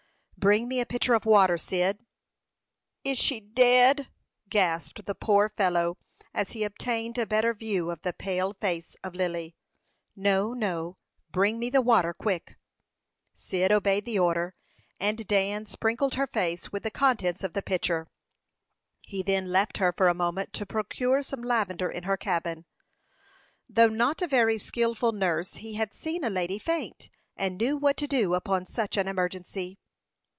"Bring me a pitcher of water, Cyd." "Is she dead?" gasped the poor fellow, as he obtained a better view of the pale face of Lily. "No, no; bring me the water quick." Cyd obeyed the order, and Dan sprinkled her face with the contents of the pitcher. He then left her for a moment to procure some lavender in her cabin. Though not a very skilful nurse, he had seen a lady faint, and knew what to do upon such an emergency.